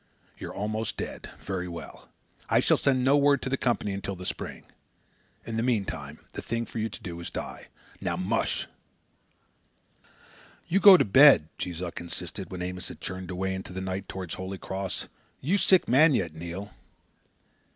You're almost dead. Very well. I shall send no word to the Company until the spring. In the meantime, the thing for you to do is to die. Now MUSH!" "You go to bed!" Jees Uck insisted, when Amos had churned away into the night towards Holy Cross. "You sick man yet, Neil."